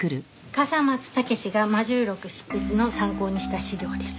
笠松剛史が『魔銃録』執筆の参考にした資料です。